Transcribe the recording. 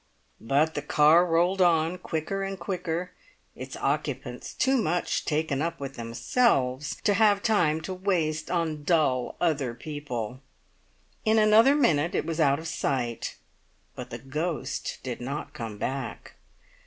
But the car rolled on quicker and quicker, its occupants too much taken up with themselves to have time to waste on dull other people. In another minute it was out of sight, but the ghost did not come back.